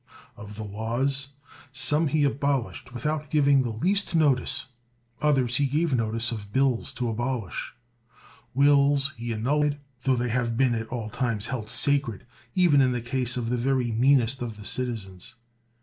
Of the laws, some he abol ished without giving the least notice; others he gave notice of bills to abolish. Wills he annulled ; tho they have been at all times held sacred even in the case of the very meanest of the citizens.